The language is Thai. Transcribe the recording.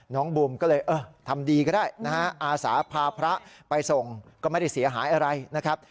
บูมก็เลยเออทำดีก็ได้นะฮะอาสาพาพระไปส่งก็ไม่ได้เสียหายอะไรนะครับ